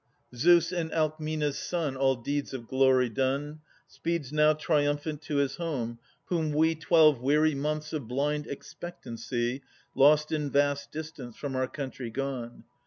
Zeus' and Alcmena's son, I 2 All deeds of glory done, Speeds now triumphant to his home, whom we Twelve weary months of blind expectancy Lost in vast distance, from our country gone.